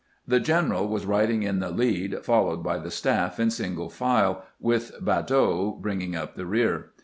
The general was riding in the lead, followed by the stafE in single file, with Badeau bringing up the rear.